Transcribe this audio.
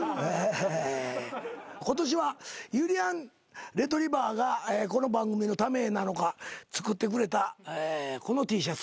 今年はゆりやんレトリィバァがこの番組のためなのか作ってくれたこのＴシャツ。